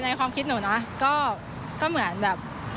ความคิดหนูนะก็เหมือนแบบ